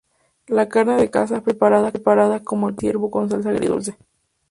La carne de caza preparada como el pastel de ciervo con salsa agridulce.